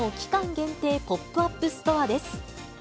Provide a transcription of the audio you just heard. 限定ポップアップストアです。